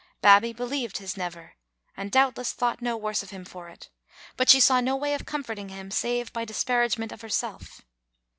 Babbie believed his " Never," and, doubtless, thought no worse of him for it; but she saw no way of comfort ing him save by disparagement of herself.